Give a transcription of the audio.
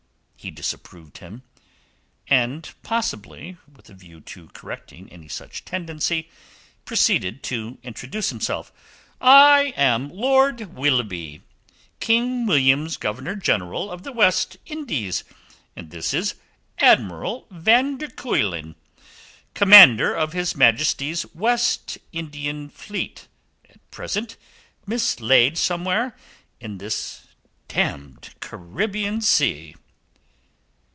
he disapproved him, and possibly with a view to correcting any such tendency, proceeded to introduce himself. "I am Lord Willoughby, King William's Governor General of the West Indies, and this is Admiral van der Kuylen, commander of His Majesty's West Indian fleet, at present mislaid somewhere in this damned Caribbean Sea."